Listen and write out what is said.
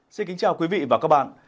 xin kính chào quý vị và các bạn